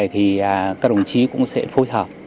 thì các đồng chí cũng sẽ phối hợp